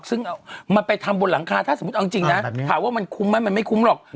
ซึ่งมันไปทำบนหลังคาถ้าสมมุติเอาจริงนะถามว่ามันคุ้มไหมมันไม่คุ้มหรอก